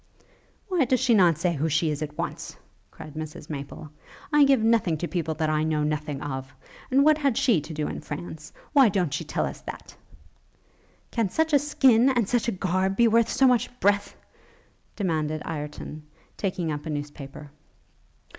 'Why does she not say who she is at once?' cried Mrs Maple. 'I give nothing to people that I know nothing of; and what had she to do in France? Why don't she tell us that?' 'Can such a skin, and such a garb, be worth so much breath?' demanded Ireton, taking up a news paper.